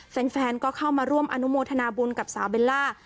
แฟนก็เข้ามาร่วมอนุโมทนาบุญกับสาวเบลล่า